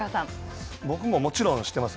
僕も、もちろん知ってます。